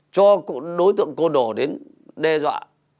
cho đối tượng cô đổ đến đe dọa